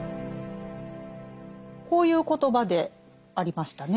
こういう言葉でありましたね。